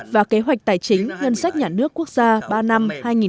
và kế hoạch tài chính ngân sách nhà nước quốc gia ba năm hai nghìn hai mươi hai nghìn hai mươi